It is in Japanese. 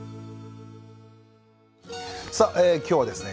さっ今日はですね